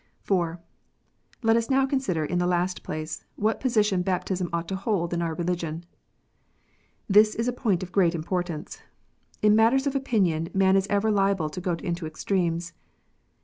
IV. Let us now consider, in the last place, what position baptism ought to hold in our religion. This is a point of great importance. In matters of opinion man is ever liable to go into extremes.